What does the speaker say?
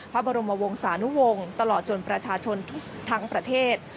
พระบรมวงศานุวงศ์ตลอดจนประชาชนทุกทั้งประเทศ